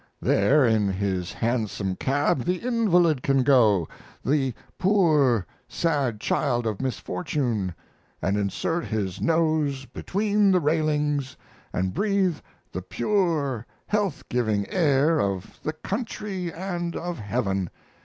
There, in his hansom cab, the invalid can go the poor, sad child of misfortune and insert his nose between the railings, and breathe the pure, health giving air of the country and of heaven.